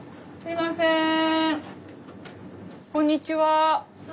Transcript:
こんにちは。